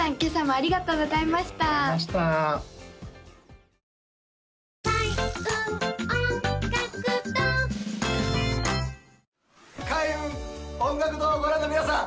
ありがとうございました開運音楽堂をご覧の皆さん